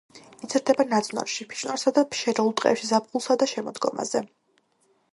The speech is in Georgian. იზრდება ნაძვნარში, ფიჭვნარსა და შერეულ ტყეებში ზაფხულსა და შემოდგომაზე.